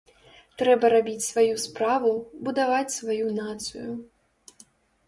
Трэба рабіць сваю справу, будаваць сваю нацыю.